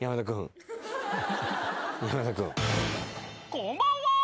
こんばんは。